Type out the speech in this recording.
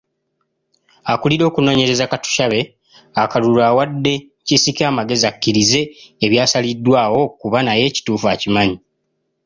Akulira okunoonyeza Katushabe akalulu awadde Kisiki amagezi akkirize ebyasaliddwawo kuba naye ekituufu akimanyi.